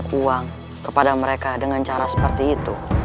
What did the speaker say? kisanak memberikan uang kepada mereka dengan cara seperti itu